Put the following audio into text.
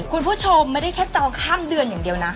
คุณผู้ชมไม่ได้แค่จองข้ามเดือนอย่างเดียวนะ